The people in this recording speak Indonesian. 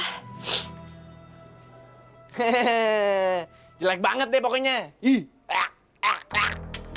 hehehe jelek banget deh pokoknya hih ak ak ak